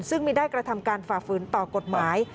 ซึ่งไม่ได้กระทำการฝ่าฝืนต่อกฎหมาย